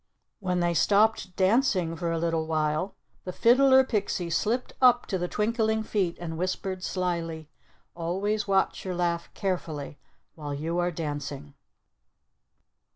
When they stopped dancing for a little while, the Fiddler Pixie slipped up to the Twinkling Feet, and whispered slyly, "Always watch your laugh carefully while you are dancing."